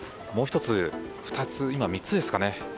もう１つ、２つ３つですかね。